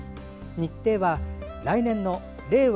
日程は来年の令和